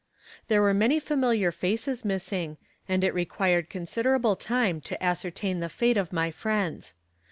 There were many familiar faces missing, and it required considerable time to ascertain the fate of my friends.